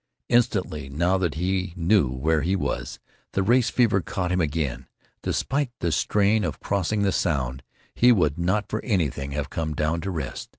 Instantly, now that he knew where he was, the race fever caught him again. Despite the strain of crossing the Sound, he would not for anything have come down to rest.